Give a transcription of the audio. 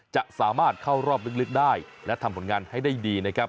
จะสามารถเข้ารอบลึกได้และทำผลงานให้ได้ดีนะครับ